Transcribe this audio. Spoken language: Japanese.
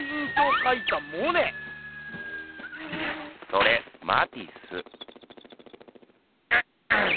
それマティス。